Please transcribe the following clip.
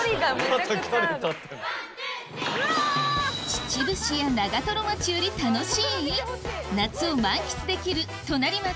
秩父市や長町より楽しい⁉夏を満喫できる隣町